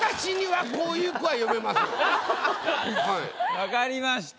分かりました。